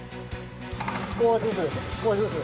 少しずつです、少しずつ。